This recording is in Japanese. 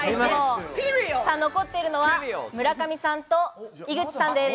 残っているのは村上さんと井口さんです。